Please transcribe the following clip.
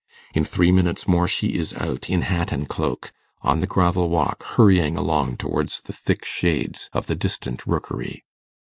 In three minutes more she is out, in hat and cloak, on the gravel walk, hurrying along towards the thick shades of the distant Rookery.